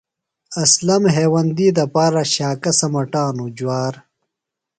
اسلم ہیوندی دپارہ شاکہ سمٹانو۔ جۡوار